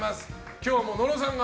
今日は野呂さんが。